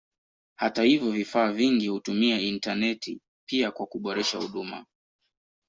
Hata hivyo vifaa vingi hutumia intaneti pia kwa kuboresha huduma.